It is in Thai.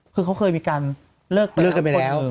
คือเขาเคยมีการเลิกไปกับคนอื่น